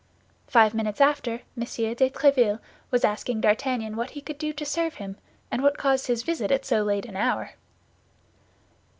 Five minutes after, M. de Tréville was asking D'Artagnan what he could do to serve him, and what caused his visit at so late an hour.